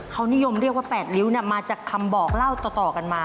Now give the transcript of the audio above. เขานิยมเรียกว่า๘ริ้วมาจากคำบอกเล่าต่อกันมา